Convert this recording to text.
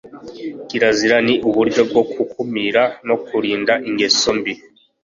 kirazira ni uburyo bwo gukumira no kurinda ingeso mbi